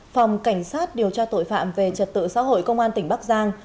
phòng cảnh sát điều tra tội phạm về trật tự xã hội công an tỉnh bắc giang